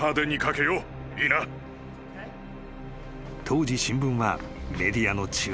［当時新聞はメディアの中核］